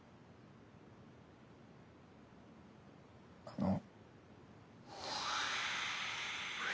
あの。